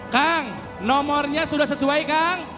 kang nomornya sudah sesuai kang